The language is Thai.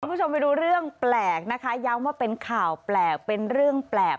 คุณผู้ชมไปดูเรื่องแปลกนะคะย้ำว่าเป็นข่าวแปลกเป็นเรื่องแปลก